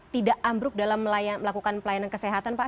tidak ambruk dalam melakukan pelayanan kesehatan pak